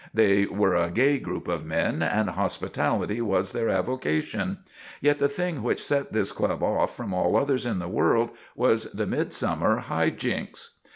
They were a gay group of men, and hospitality was their avocation. Yet the thing which set this club off from all others in the world was the midsummer High Jinks.